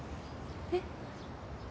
えっ？